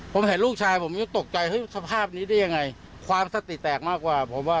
ผมเห็นลูกชายผมตกใจสภาพนี้ได้ยังไงความสติแตกมากกว่า